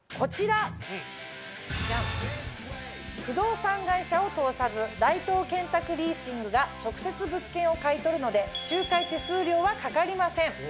不動産会社を通さず大東建託リーシングが直接物件を買い取るので仲介手数料はかかりません。